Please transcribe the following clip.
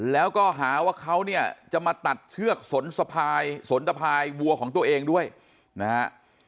แล้วก็หาว่าเขาเนี่ยจะมาตัดเชือกสนสะพายสนตะพายวัวของตัวเองด้วยนะฮะ